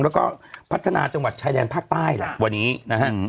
แล้วก็พัฒนาจังหวัดชายแดนภาคใต้แหละวันนี้นะฮะ